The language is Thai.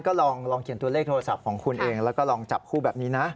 ก็ลองเขียนตัวเลขโทรศัพท์ของคุณเองแล้วก็ลองจับคู่แบบนี้นะ